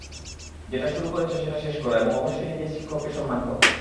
যেটা শুরু করেছো সেটা শেষ করা, এবং অবশ্যই নিজের শিক্ষককে সম্মান করা।